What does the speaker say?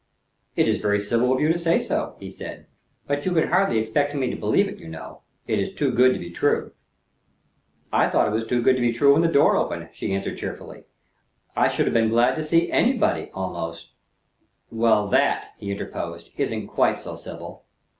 "It is very civil of you to say so," he said; "but you can hardly expect me to believe it, you know. It is too good to be true." "I thought it was too good to be true when the door opened," she answered cheerfully. "I should have been glad to see anybody, almost" "Well, that," he interposed, "isn't quite so civil."